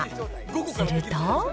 すると。